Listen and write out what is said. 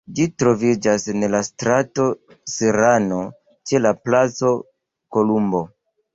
Ĝi troviĝas en la strato Serrano, ĉe la Placo Kolumbo.